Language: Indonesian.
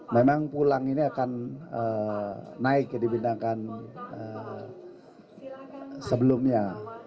memang pulang ini akan naik dibandingkan sebelumnya